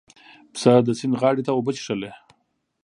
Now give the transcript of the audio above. پسه د سیند غاړې ته اوبه څښلې.